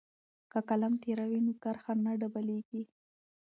که قلم تیره وي نو کرښه نه ډبلیږي.